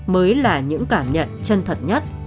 mới là những cảm nhận chân thật nhất